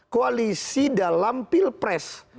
koalisi dalam pilpres